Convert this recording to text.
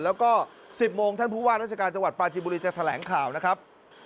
แล้วก็๑๐โมงท่านผู้ว่าราชการจังหวัดปลาจิบุรีจะแถลงข่าวนะครับ